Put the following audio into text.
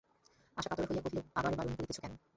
আশা কাতর হইয়া কহিল, আবার বারণ করিতেছ কেন।